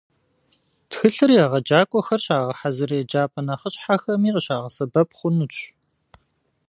Тхылъыр егъэджакӀуэхэр щагъэхьэзыр еджапӀэ нэхъыщхьэхэми къыщыбгъэсэбэп хъунщ.